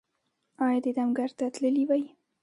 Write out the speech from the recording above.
ایا د دم ګر ته تللي وئ؟